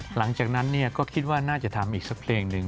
หลังจากนั้นก็คิดว่าน่าจะทำอีกสักเพลงหนึ่ง